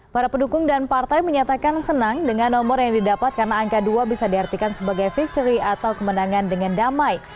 para pendukung dan partai menyatakan senang dengan nomor yang didapat karena angka dua bisa diartikan sebagai victory atau kemenangan dengan damai